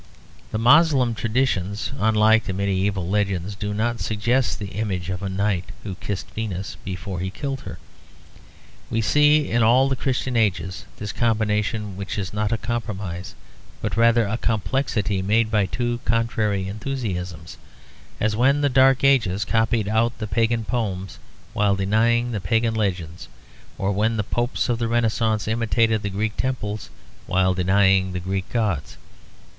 The Moslem traditions, unlike the medieval legends, do not suggest the image of a knight who kissed Venus before he killed her. We see in all the Christian ages this combination which is not a compromise, but rather a complexity made by two contrary enthusiasms; as when the Dark Ages copied out the pagan poems while denying the pagan legends; or when the popes of the Renascence imitated the Greek temples while denying the Greek gods.